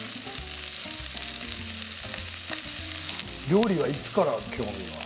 料理はいつから興味が？